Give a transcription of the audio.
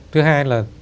thứ hai là